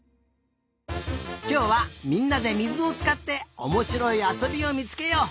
きょうはみんなでみずをつかっておもしろいあそびをみつけよう。